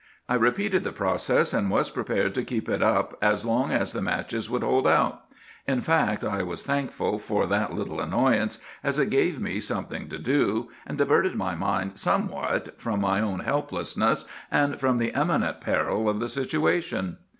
I repeated the process, and was prepared to keep it up as long as the matches would hold out. In fact, I was thankful for that little annoyance, as it gave me something to do, and diverted my mind somewhat from my own helplessness and from the imminent peril of the situation.